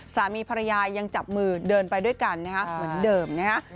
สามีพระยายยังจับมือเดินไปด้วยกันเหมือนเดิมนะครับ